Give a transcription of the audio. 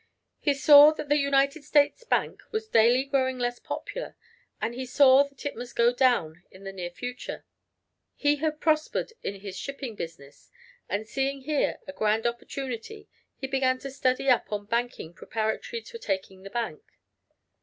He saw that the United States Bank was daily growing less popular, and he saw that it must go down in the near future. He had prospered in his shipping business, and seeing here a grand opportunity he began to study up on banking preparatory to taking the bank.